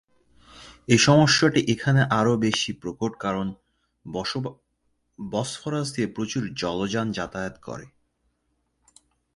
এ সমস্যাটি এখানে আরও বেশি প্রকট কারণ বসফরাস দিয়ে প্রচুর জলযান যাতায়াত করে।